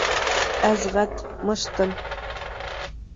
Әсғәт — мыштым.